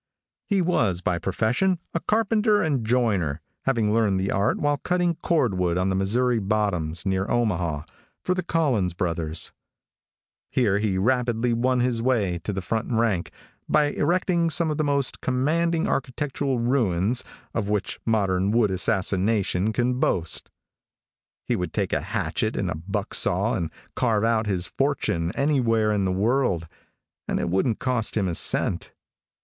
He was, by profession, a carpenter and joiner, having learned the art while cutting cordwood on the Missouri bottoms, near Omaha, for the Collins Brothers. Here he rapidly won his way to the front rank, by erecting some of the most commanding architectural ruins of which modern wood assassination can boast. He would take a hatchet and a buck saw and carve out his fortune anywhere in the world, and it wouldn't cost him a cent.